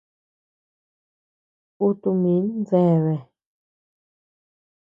Kutu min deabea.